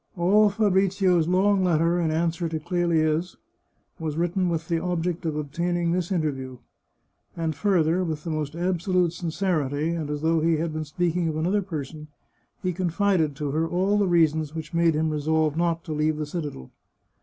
All Fabrizio's long letter in answer to Clelia's was writ ten with the object of obtaining this interview. And fur ther, with the most absolute sincerity, and as though he had been speaking of another person, he confided to her all the reasons which made him resolve not to leave the citadel.